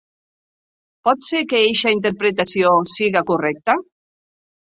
Pot ser que eixa interpretació siga correcta.